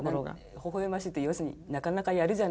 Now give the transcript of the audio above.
ほほ笑ましいって要するになかなかやるじゃないという？